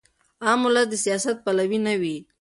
عام ولس د سیاست پلوی نه وي.